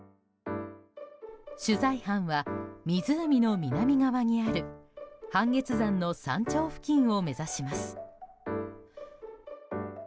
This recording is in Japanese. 取材班は湖の南側にある半月山の山頂付近を目指します。